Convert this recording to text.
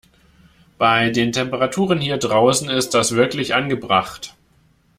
Bei den Temperaturen hier draußen ist das wirklich angebracht.